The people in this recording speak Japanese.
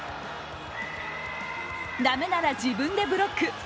駄目なら自分でブロック。